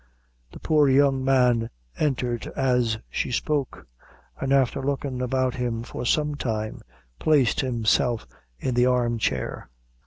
The poor young man entered as she spoke; and after looking about him for some time, placed himself in the arm chair.